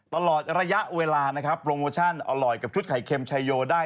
ตลอดระยะเวลานะครับโปรโมชั่นอร่อยกับชุดไข่เค็มชายโยได้